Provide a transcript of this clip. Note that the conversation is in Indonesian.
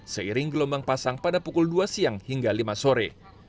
seiring gelombang pasang pada pukul dua siang hingga lima sore